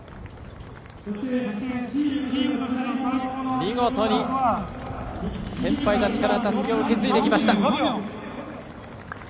見事に先輩たちからたすきを受け継いできました。